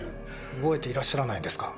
覚えていらっしゃらないんですか？